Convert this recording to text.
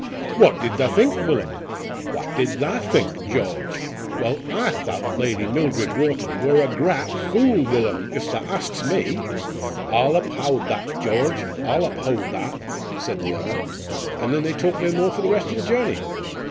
'What did tha think, Willum?' 'What did tha think, George?' 'Wal, aa thowt Laady Mildred Wharton wor a graät fule, Willum, if tha asks me.' 'I'll uphowd tha, George! I'll uphowd tha!' said the other, and then they talked no more for the rest of the journey."